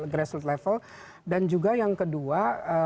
grassroot level dan juga yang kedua